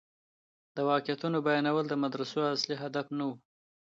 د واقعيتونو بيانول د مدرسو اصلي هدف نه و.